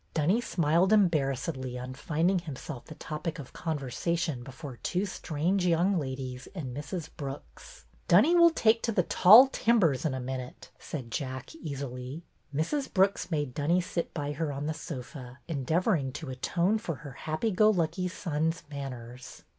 Dunny smiled embarrassedly on finding him self the topic of conversation before two strange young ladies and Mrs. Brooks. '' Dunny will take to the tall timbers in a minute," said Jack, easily. Mrs. Brooks made Dunny sit by her on the sofa, endeavoring to atone for her happy go lucky son's manners.